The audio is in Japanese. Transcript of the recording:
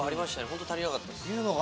本当足りなかったです。